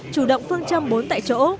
chủ động phương châm bốn tại chỗ